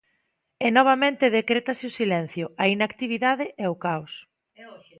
E novamente decrétase o silencio, a inactividade e o caos.